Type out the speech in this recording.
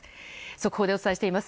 速報でお伝えしています。